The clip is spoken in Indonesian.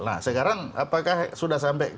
nah sekarang apakah sudah sampai